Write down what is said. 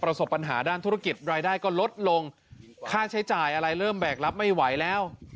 ประสบปัญหาด้านธุรกิจรายได้ก็ลดลงค่าใช้จ่ายอะไรเริ่มแบกรับไม่ไหวแล้ว